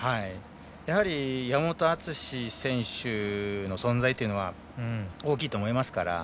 やはり山本篤選手の存在というのは大きいと思いますから。